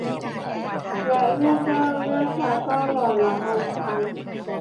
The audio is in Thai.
และรูปร่างหน้าตาก็หล่อเหลาเอาการ